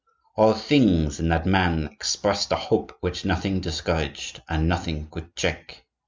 All things in that man expressed a hope which nothing discouraged, and nothing could check.